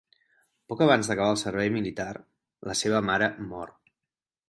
Poc abans d'acabar el servei militar, la seva mare mor.